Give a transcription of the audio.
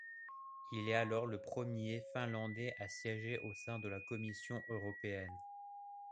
Il est alors le premier Finlandais à siéger au sein de la Commission européenne.